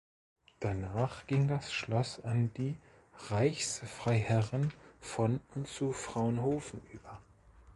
Danach ging das Schloss an die Reichsfreiherren von und zu Fraunhofen über.